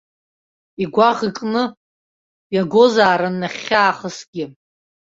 Игәаӷ икны иагозаарын нахьхьи аахысгьы.